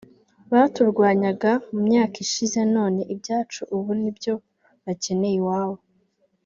Baturwanyaga mu myaka ishize none [ibyacu] ubu nibyo bakeneye iwabo